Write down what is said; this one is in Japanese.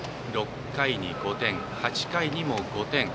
６回に５点、８回にも５点。